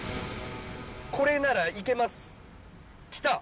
これなら行けます来た！